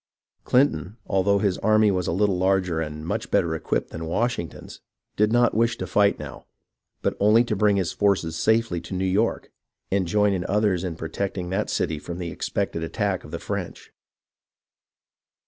Clinton, although his army was a little larger and much better equipped than Washington's, did not wish to fight now, but only to bring his forces safely into New York, and join with others in protecting that city from the expected attack of the French.